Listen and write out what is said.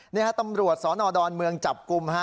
นี่ฮะตำรวจสนดอนเมืองจับกลุ่มฮะ